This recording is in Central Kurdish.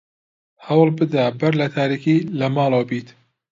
هەوڵ بدە بەر لە تاریکی لە ماڵەوە بیت.